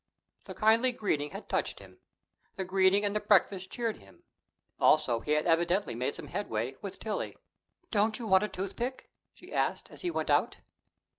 The kindly greeting had touched him. The greeting and the breakfast cheered him; also, he had evidently made some headway with Tillie. "Don't you want a toothpick?" she asked, as he went out.